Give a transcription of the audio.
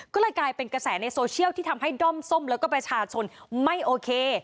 ก็เลยกลายเป็นกระแสในโซเชียลที่ทำให้ด้อมส้มแล้วก็ประชาชนไม่โอเค